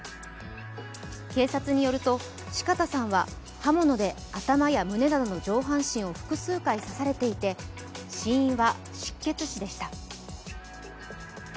警察によると、四方さんは刃物で頭や胸などの上半身を複数回刺されていて死因は失血死でした。